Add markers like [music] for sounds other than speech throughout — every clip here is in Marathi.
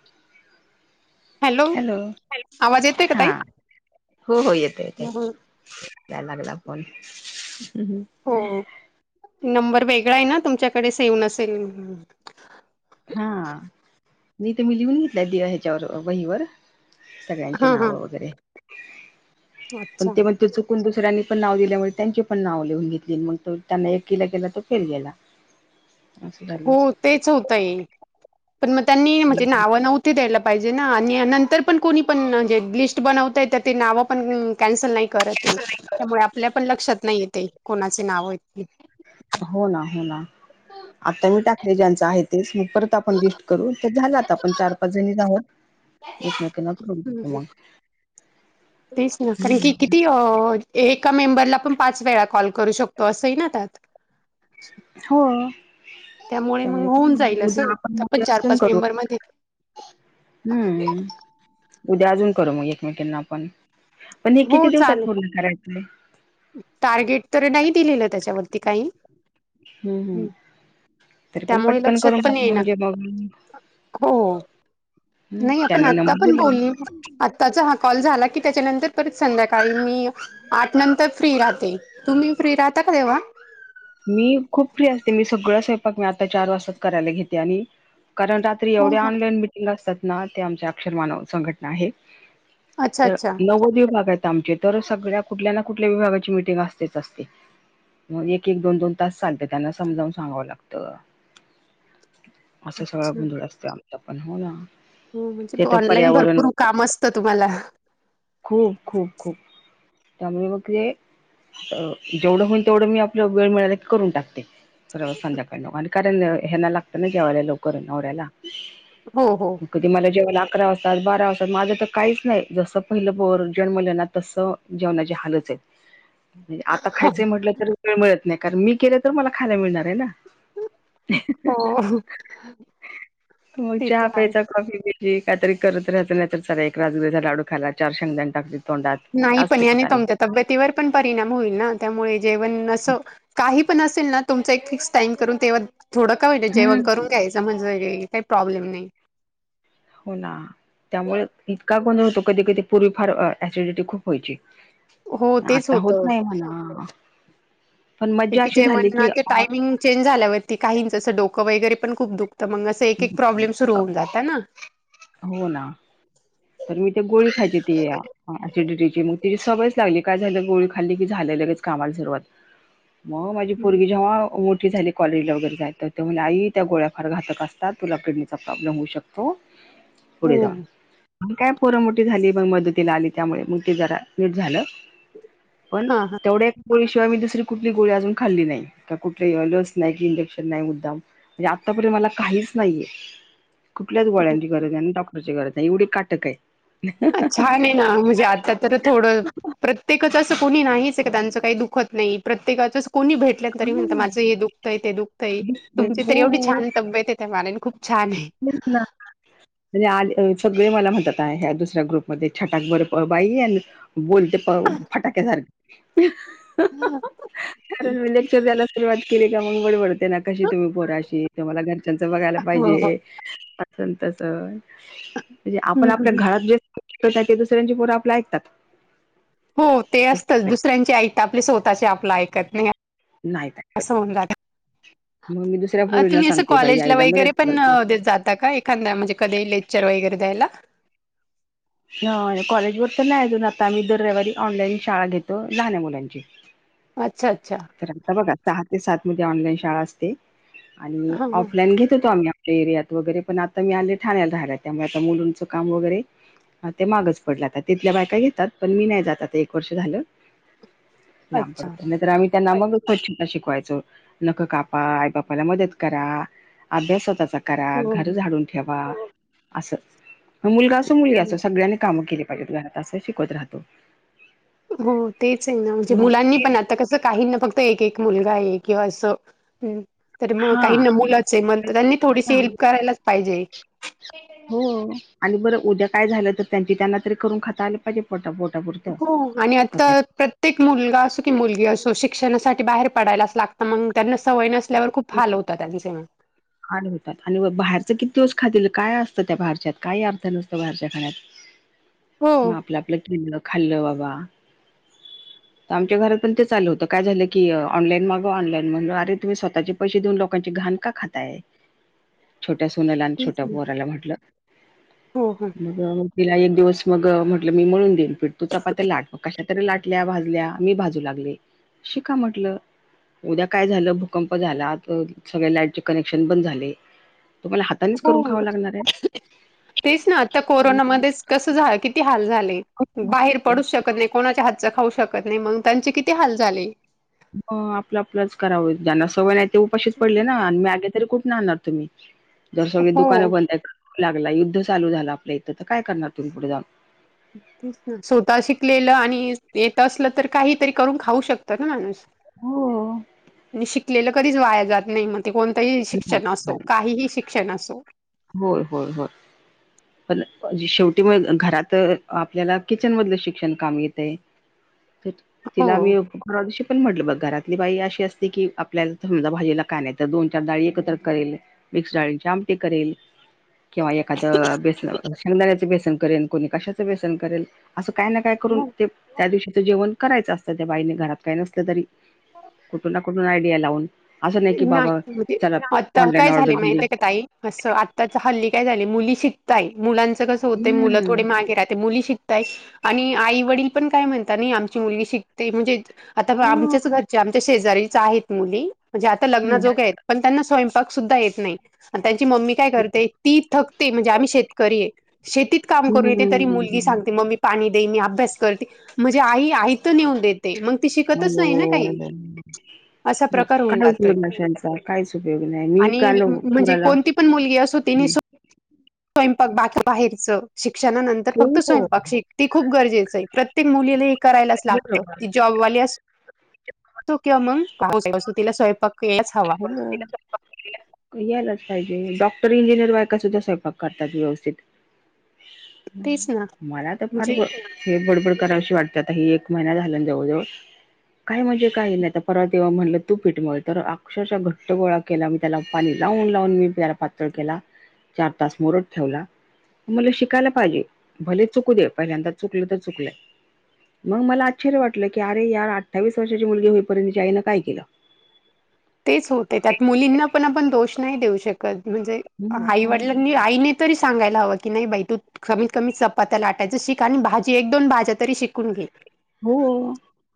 [inaudible] हॅलो, आवाज येतोय का हा ताई? हो हो येते येते. याय लागला फोन. हो नंबर वेगळा आहे ना तुमच्याकडे सेव नसेल. हा नाही तर मी लिहून घेतलाय ह्याच्यावर वहीवर. हा सगळ्यांची हा नाव वगैरे पण अच्छा. ती म्हण त चुकून दुसऱ्यांनी पण नाव दिल्यामुळे त्यांचे पण नाव लिहून घेतले मग तो त्यांना एककीला गेला तो फेल गेला. अस झालं. हो तेच होतंय पण मग त्यांनी म्हणजे नाव नव्हत ते द्यायला पाहिजे ना आणि नंतर पण कोणी पण जे लिस्ट बनवताय तर ते नावं पण कॅन्सल नाही त्यामुळे आपल्या पण लक्षात नाही येते कोणाचे नाव आहेत ती. हो ना हो ना आता मी टाकले ज्यांच आहे तेच म परत आपण लिस्ट करू तर झालात आपण चार पाच जणी आहोत. एकमेकांना करू मग. तेच ना कारण की किती आ एका मेंबरला पण पाच वेळा कॉल करू शकतो असं आहे ना त्यात. हो‌. मग त्यामुळे होऊन जाईल उद्या असं आपण चार आपणन पाच करू. मेंबर मध्ये हम्म. उद्या अजून करू मग एकमेकींना आपण पण हे हो किती चालेल. दिवसात पर्ण करायचंय? टार्गेट तर नाही दिलेलं त्याच्यावरती काही. हं हं. तरी पण त्यामुळे पटकन लक्षात करून पण टाकू येईना म्हणजे मग हो. हं नाही आपण त्याने आता नंबर पण दिला. बोलली आत्ताचा हा कॉल झाला की त्याच्यानंतर परत संध्याकाळी मी आठ नंतर फ्री राहते तुम्ही फ्री राहता का तेव्हा? मी खूप फ्री असते मी सगळं स्वयंपाक मी आता चार करायला घेते आणि कारण हो एवढ्या हो ऑनलाईन मिटिंग असतात ना ते आमच्या अक्षर मानव संघटना आहे. अच्छा तर अच्छा नव्वद विभाग आहेत. आमचे. तर, सगळ्या कुठल्या ना कुठल्या विभागाची मिटिंग असतेच असते. मग एक एक दोन दोन तास चालते. त्यांना समजवून सांगावं लागतं. असा सगळा अच्छा गोंधळ असतो आमचा पण. हो ना. ते तर ऑनलाईन पर्यावरण भरपूर काम असतं तुम्हाला. खूप खूप खूप. त्यामुळे मग ते अ जेवढं होईल तेवढं मी आपला वेळ मिळाला की करून टाकते. तर संध्याकाळी कारण ह्याना लागतं ना जेवायला लवकर नवऱ्याला. हो हो कधी मला जेवायला अकरा वाजतात, बारा वाजतात माझं तर काहीच नाही. जसं पहिलं पोर जन्मले ना तस जेवणाची हालच आहे. आता खायचंय म्हटलं तर मिळत नाही. कारण मी केले तर मला खायला मिळणार आहे ना! हो मग ते चहा तर आहे प्यायचा कॉफी प्यायची. ह काहीतरी करत राहत नाही तर चाला एक राजगिर्याचा लाडू खायला. चार शेंगदाण टाक तोंडात नाही पण असले याने कुठाने तुमच्या तब्येतीवर पण परिणाम होईल ना त्यामुळे जेवण असं काही पण असेल ना तुमच एक फिक्स टाइम करून. तेव्हा, थोडं का होईना जेवण हम्म. करून घ्यायचं. [unintelligible] प्रॉब्लेम नाही. होना. त्यामुळे इतका गोंधळ होतो कधी कधी, पूर्वी फार ऍसिडिटी खूप व्हायची. हो तेच आता होत होतं नाही म्हणा. पण ते मज्जा की अशी झाली की जेवणाचे टायमिंग चेंज झाल्यावरती काहीचं असं डोकं वगैरे पण खूप दुखतं मग असं एक एक प्रॉब्लेम सुरु होऊन जात ना. हो ना. तर मी ते गोळी खायची ती या असिडिटीची मग तिची सवयच लागली. काय झालं गोळी खाल्ली की झाल्या झाल्याचं लगेच कामाला सुरुवात मग माझी पोरगी जेव्हा मोठी झाली कॉलेजला वगैरे जाते ती म्हणलं आई त्या गोळ्या फार घातक असतात. तुला किडनीचा प्रॉब्लेम होऊ शकतो. पुढे हो. जाऊन. काय पोर मोठी झाली मग मदतीला आली त्यामुळे मग ते जरा नीट झालं. पण हां हां. तेवढे गोळी शिवाय मी दुसरी कुठली गोळी अजून खाल्ली नाही. का कुठली लस नाही कि इंजेक्शन नाही मुद्दाम. म्हणजे आता पर्यंत मला काहीच नाही ये. कुठल्याच गोळ्यांची गरज आहे ना डॉक्टरची गरज आहे एवढी काटक आहे. छान आहे ना म्हणजे आता तर थोडं प्रत्येकाचं असं कोणी नाहीच का त्यांचं काही दुःखत नाही प्रत्येकाच कोणी भेटल्या तरी म्हणत माझं हे दुखतंय ते दुखतंय. तुमची तरी एवढी हो. छान तब्येत त्या मानाने खूप छान आहे. आ सगळे मला म्हणतात आहे दुसऱ्या ग्रुपमध्ये छटाक बर बाई बोलते पहा फटाक्यासारखं हम्म. कारण मी लेक्चर द्यायला सुरुवात केली का मंग बडबड ना कशी तुम्ही पोर अशी तुम्हाला घर त्यांच बघायला हो पाहिजे असंतस म्हणजे आपण हं आपल्या हं घरात जे ते दुसऱ्यांची पोरं आपलं ऐकतात. हो ते असतंच असं दुसऱ्यांचे ऐकतात आपले स्वतःचे आपलं ऐकत नाही. नाहीत ऐकत. खाऊन मग मी दुसऱ्या झालं, पोरींना तुम्ही अस सांगते बाई कॉलेजला आईला मदत वैगरे कर. पण अ देत जात काय काय एखांदा म्हणजे कधी लेक्चर वगैरे द्यायला. ह कॉलेज वर तर नाही अजून आता आम्ही दर रविवारी ऑनलाईन शाळा घेतो लहान्या मुलांची. अच्छा अच्छा. तर आता बघा सहा ते सात मध्ये ऑनलाईन शाळा असते, आणि हां हां ऑफलाईन घेत होतो आम्ही एरियात वगैरे पण आता मी आले ठाण्याला राहायला, त्यामुळे आता मुलूंडच काम वगैरे हा ते मागच पडल आता, तिथल्या बायका घेतात पण मी नाही जात आता एक वर्ष झालं. लांब अच्छा पडत, नाही तर आम्ही त्यांना मग स्वचछता शिकवायचो नख कापा, आई बापाला मदत करा अभ्यासतच. करा, हो. घर झाडून ठेवा अस मुलगा असो मुलगी अस सगळ्यांनी काम केली पाहिजेत घरात, अस शिकवत राहतो. हो तेच आहे ना, म्हणजे मग मुलांनी पण आत आता कसं काहींना फक्त एक-एक मुलगा आहे किंवा असं तर मग हा काही न मुलाचे मग तर त्यांनी थोडीशी हेल्प करायलाच पाहिजे. हो आणि बरं उद्या काय झालं तर, त्यांची त्यांना तरी करून खाता आले पाहिजे. पोटा-पोटा पुर हो आणि आता प्रत्येक मुलगा असो कि मुलगी असो शिक्षणासाठी बाहेर पडायलाच लाग मंग त्यांना सवय नसल्यावर खूप हाल होता त्यांचे मग. हाल होतात आणि बाहेरचं किती दिवस खातील, काय असतं त्या बाहेरच्यात, काही अर्थ नसतं बाहेरच्या खाण्यात. हो मग आपलं-आपलं केलेलं खाल्लं बाबा. आमच्या घरात पण ते चालू होत, काय झालं की ऑलाईन मागवा, ऑनलाईन म्हणल अरे तुम्ही स्वतःची पैसे देऊन लोांकांची घाण का खाता? काय छोट्या सुनला आणि तेच छोट्या ना पोराला म्हटलं, हो हो म किंवा म तिला एक दिवस मग म्हटलं मी मळून देईन पीठ तु चपात्या लाट, मग कशात तरी लाटल्या, भाजल्या मी भाजू लागले शिका म्हटल. उद्या काय झालं, भूकंप झाला, आ सगळ्या लाईटचे कनेक्शन बंद झाले हातानीच करून हो खाव लागणार आहे. तेच ना आता कोरोनामध्येच कसं झा, किती हाल झाले बाहेर पडूच शकत नाही, कोणाच्या हातच खाऊ शकत नाही, मंग त्यांचे किती हाल झाले. म आपलं आपलंच करावं, ज्यांना सवय नाही ते उपाशीच पडले ना आणि मॅगी त तरी कुठून आणणार तुम्ही, जर सगळी हो दुकानं बंद आहेत कर्फ्यू लागला, युद्ध चालू झाल आपल्या इथं तर काय करणार तुम्ही पुढे जाऊन. तेच ना स्वतः शिकलेलं, आणि येत असलं तर काहीतरी करून खाऊ शकतं ना माणूस. हो. आणि शिकलेलं कधीच वाया जात नाही म्हण ते कोणतंही नाही शिक्षण असो, नाही काहीही शिक्षण असो. होय होय होय पण जे शेवटी मग घरात आपल्याला किचन मधलं शिक्षण कामी येतय. तेच, तीला मी हो. परवा दिवशी पण म्हटलं बघ, घरातली बाई अशी असते की आपल्याला समजा भाजीला काय नाय तर दोन चार डाळी एकत्र करेल, मिक्स डाळींची आमटी करेल किंवा एखाद बेसन, शेंदण्याचं बेसन करेल कोणी कशाचं बेसन करेल. असं काय ना काय करून ते त्या दिवशीच जेवण करायचं असतं त्या बाईने घरात काही नसलं तरी, कुठून ना कुठून आयडिया लावून. असं नाही की, बाबा. चला आता ऑनलाईन काय झाले ऑर्डर दिली माहिती का ताई असं आत्ताचा हल्ली काय झाले मुली शिकताय मुलांचा. कसं होत मुलं हम्म थोडे मागे राहते मुली शिक''--'' ताय आणि आई वडील पण काय म्हणतात नाही आमची मुलगी शिकते म्हणजे. आता पहा आमच्याच घरचे आमच्या शेजारीच आहेत मुली म्हणजे आता लग्न जो हम्म काय आहेत. पण त्यांना स्वयंपाक सुद्धा येत नाही. त्यांची मम्मी काय करते ती थकते म्हणजे आम्ही शेतकरी आहे. शेतीत काम करून येते तरी मुलगी हम्म सांगते मम्मी. पाणी देई मी अभ्यास करते म्हणजे आई आयत नेऊन देत. ते मग ती शिकतच नाही ना काही असा हो प्र''--'' फार ऊन काय लागते उपयोग नाही त्यांचा काहीच उपयोग नाही मी काल आणि म्हणजे कुणाला कोणती पण मुलगी असो त्यांनी स्वतः. स्वयंपाक बाकी बाहेरच शिक्षणानंतर नंतर फक्त हो स्वयंपाक शिक. ती खूप गरजेचं आहे प्रत्येक मुलीला हे करायलाच लागतं की, जॉबवाली असो. तो किवा मंगत [inaudible] तिला स्वयंपाक यायलाच हवा होय [inaudible] मुलीला स्वयंपाक यायलाच पाहिजे डॉक्टर इंजिनियर बायका सुद्धा स्वयपाग करतात व्यवस्थित. तेच ना मला तर फार म्हणजे ग. हे बडबड करावशी वाटते आता ही एक महिना झाला जवळजवळ. काय म्हणजे काही नाही परत तेव्हा म्हणलं तू पीठ मळ तर आ''--'' अक्षरशः घट्ट गोळा केला मी त्याला पाणी लावून लावून मी त्याला पातळ केला. चार तास मुरत ठेवला. मला शिकायला पाहिजे भले चुकू दे पहिल्यांदा चुकलं तर चुकलं. मग मला आश्चर्य वाटलं की, अरे यार अठ्ठावीस वर्षाची मुलगी होईपर्यंत तिच्या आईनं काय केलं. तेच होतंय त्यात मुलींना पण आपण दोष नाही देऊ शकत म्हणजे मग आईवडिलांनी. आईने तरी सांगायला हवं की, नाही बाई तू. कमीत कमीत चपात्या लाटायच शिक आणि भाजी एक दोन भाज्या तरी शिकून घे. हो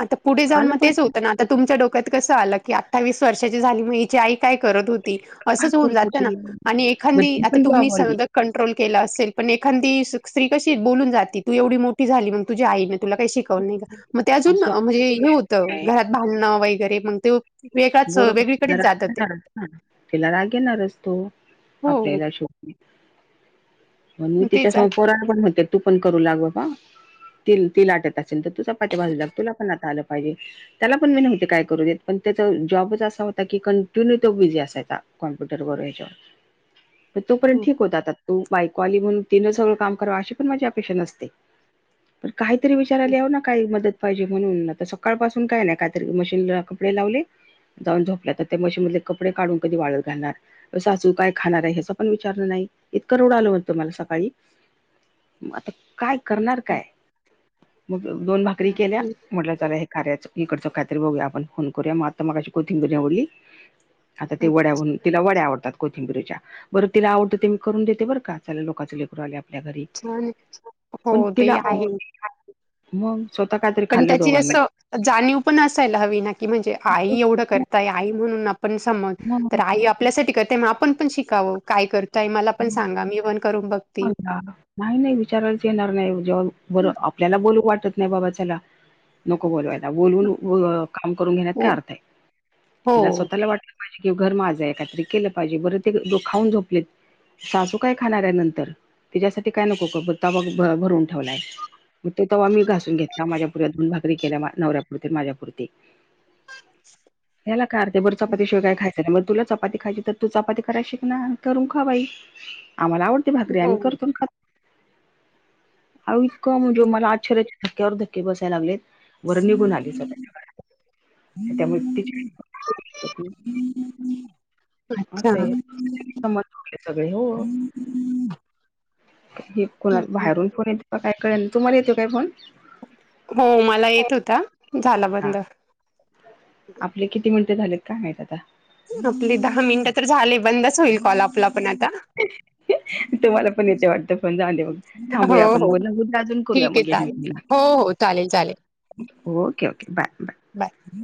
आता पुढे जाऊन आलं मग तेच पाहिजे होतं ना. आता तुमच्या डोक्यात कस आलं की, अठ्ठावीस वर्षाची झाली म हिची आई काय करत होती. ती काय असच होऊन करतो जात तू ना आणि मग एखादी ती आता पण तुम्ही जॉब आली सगळ कटी ''--'' रोल केलं असेल पण एखादी स्त्री कशी बोलून जाते तू एवढी मोठी झाली मग तुझ्या आईने तुला काही शिकवलं. नाही का मग ते अजून असं आपण म्हणजे हे बोलू शकत होतं नाही घरात भांडणं वगैरे मग ते. वेगळाच बरोबर वेगळीकडेच जातं ते. रागणार ना तिला राग येणारच तो हो, हो. आपल्याला शोक. पण मी तिच्या तेच आहे. समोर पोराणा पण म्हणते तू पण करू लाग बाबा ती तीलाटत आहं. [unintelligible] नाहीतर तू चपात्या भाजू लागं तुला पण आता आलं पाहिजे त्याला पण मी नाही काय करू दे. तो जॉबच असा होता की, कंटिन्यू तो बिझी असायचा कॉम्प्युटर वून या्याच्यावर. तो पर्यंत हो. ठीक होतं आता बायको आली म्हणून तिनं सगळं काम करावं अशी पण माझी अपेक्षा नसते. पण काहीतरी विचार यालावर ना काही मदत. पाहिजे म्हणून आता सकाळपासून काय नाही काहीतरी मशीनला कपडे लावले. जाऊन झोपल्यात त्या मशीनमधले कपडे काढून कधी वाळत घालणार. सासू काय खाणार आहे या्यां पण विचारलं नाही इतकं रडू आलं होत मला सकाळी. म आता काय करणार अच्छा. काय मग दोन भाकरी केल्या. म्हटलं जरा हे कार्याचं इकडचं काहीतरी बघूया आपण फोन करूया मग आता मगाशी कोथिंबरी निवडली. आता ते अच्छा. वड्याून तिला वड्या आवडतात. कोथिंबीरीच्या बरं तिला आवडंत ते मी करून देते बर का चला लोकाचं लेकरू आलंय आप''--'' आपल्या घरी हो, पण ते तिला आहे. मग. स्वतः काही तरी पण खाल्लं त्याची दोघांनी असं जाणीव पण असायला हवी ना की म्हणजे आई एवढं करताय आई म्हणून आपण समज मग तर आई आपल्यासाठी करते मग आपण पण शिकावं काय करताय आई मला पण सांगा मी पण करून बघती. हा नाही नाही विचारायलाच येणार नाही जेव्हा बर आपल्याला बोलू वाटत नाही बाबा चला नको बोलवायला बोलवून काम करून घेण्यात हो, काय अर्थ आहे तिला हो. स्वतःला वाट कि घर माझं हे काहीतरी केलं पाहिजे बरं ते ती खाऊन झोपलीत. सासू काय खाणार आहे नंतर तिच्यासाठी काय नको का बुत्ता भरून ठेवलाय. मग तो तवा मी घासून घेतला माझ्या पुढ्यात दोन भाकरी केल्या मा नवऱ्यापुरती माझ्यापुरती याला काय अर्थ आहे बरं चपाती शिवाय खाय त्यामुळे तुला चपाती खायची तर तू चपाती करायला शिक ना करून खावा बाई आम्हाला आवड भाकरी हो. आम्ही करतो आणं खातो आवो इतकं म्हणजे मला आश्चर्या धक्क्यावर धक्के बसाय लागलेत वर निघून आली सर त्यामुळे तिची [inaudible] अच्छा असं आहे [unintelligible] संबंध सगळे हो हे कोणा बाहेरून येत काय कळेना तुमाला येतो काय फोन? हो मला येत होता झाला हा बंद. आपले किती मिनटं झालेत काय माहित आता आपली दहा मिनटं तर झाले बंदच होईल कॉल आपला पण आता [unintelligible] तुम्हाला पण येतोय वाटतं फोन झाल्यावर हो, थांबूया आपण हो. बोलन अजून करूया ठीक आहे मग चालेल. एकमेकिला हो हो चालेल चालेल. Okay okay bye bye bye